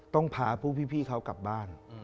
ต้องพาพวกพี่เขากลับบ้าน